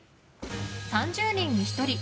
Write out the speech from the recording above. ３０人に１人。